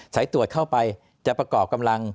สายตรวจเข้าไปจะประกอบกำลัง